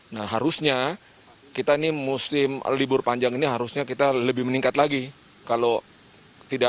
nah harusnya kita ini musim libur panjang ini harusnya kita lebih meningkat lagi kalau tidak